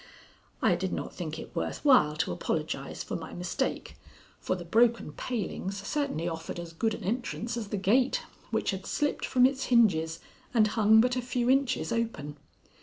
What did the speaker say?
I did not think it worth while to apologize for my mistake, for the broken palings certainly offered as good an entrance as the gate, which had slipped from its hinges and hung but a few inches open.